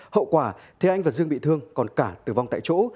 hậu quả thế anh và dương bị thương còn cả tử vong tại chỗ